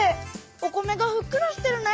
お米がふっくらしてるね。